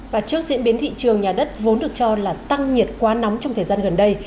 và trước diễn biến thị trường nhà đất vốn được cho là tăng nhiệt quá nóng trong thời gian gần đây